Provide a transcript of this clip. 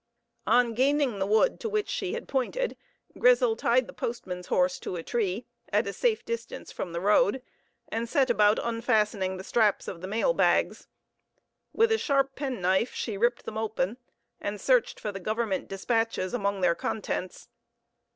On gaining the wood to which she had pointed, Grizel tied the postman's horse to a tree, at a safe distance from the road, and set about unfastening the straps of the mail bags. With a sharp penknife she ripped them open, and searched for the government despatches among their contents.